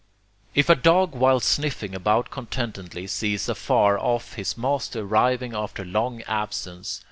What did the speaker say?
"If a dog, while sniffing about contentedly, sees afar off his master arriving after long absence...